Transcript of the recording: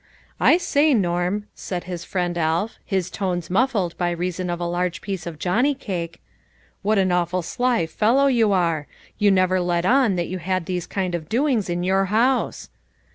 " I say, Norm," said his friend Alf, his tones muffled by reason of a large piece of johnny cake, " what an awful sly fellow you are ! You never let on that you had these kind of doings in your house.